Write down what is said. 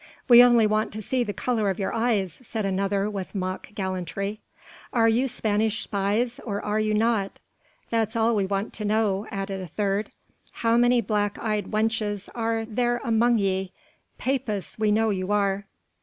"We only want to see the colour of your eyes," said another with mock gallantry. "Are you Spanish spies or are you not, that's all that we want to know," added a third. "How many black eyed wenches are there among ye? Papists we know you are."